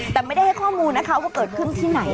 แต่ไม่ได้ให้ข้อมูลนะคะว่าเกิดขึ้นที่ไหน